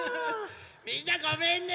みんなごめんね。